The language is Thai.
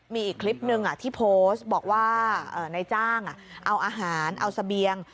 มีอีกคลิปหนึ่งที่โพสต์บอกว่านายจ้างเอาอาหารเอาเสบียง